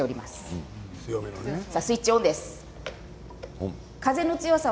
スイッチオンです。